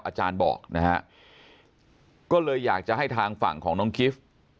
อาจารย์บอกนะฮะก็เลยอยากจะให้ทางฝั่งของน้องกิฟต์